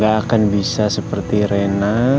gak akan bisa seperti rena